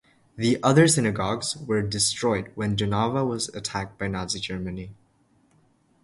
The other synagogues were destroyed when Jonava was attacked by Nazi Germany.